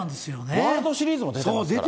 ワールドシリーズも出てますから。